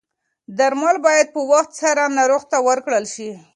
درمل باید په وخت سره ناروغ ته ورکړل شي.